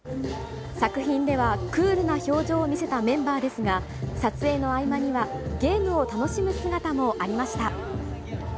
作品ではクールな表情を見せたメンバーですが、撮影の合間には、ゲームを楽しむ姿もありました。